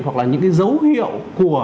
hoặc là những cái dấu hiệu của